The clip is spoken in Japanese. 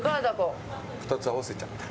２つ合わせちゃった。